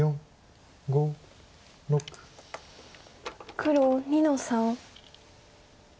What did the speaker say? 黒２の三。